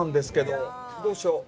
どうしよう。